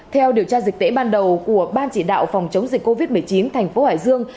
theo điều tra dịch tễ ban đầu của ban chỉ đạo phòng chống dịch covid một mươi chín thành phố hải dương